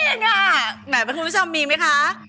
ไม่จริงอะแหมทเป็นคนผู้ชมมีไหมคะ